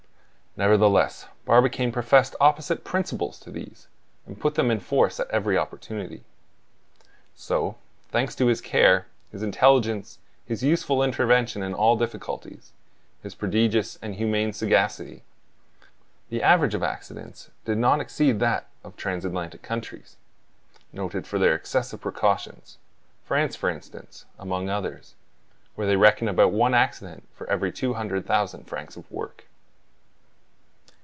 Nevertheless, Barbicane professed opposite principles to these, and put them in force at every opportunity. So, thanks to his care, his intelligence, his useful intervention in all difficulties, his prodigious and humane sagacity, the average of accidents did not exceed that of transatlantic countries, noted for their excessive precautions—France, for instance, among others, where they reckon about one accident for every two hundred thousand francs of work.